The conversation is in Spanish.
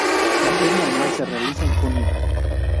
La feria anual se realiza en Junio.